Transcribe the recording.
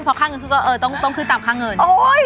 พอค่าเงินขึ้นก็ต้องขึ้นตามค่าเงิน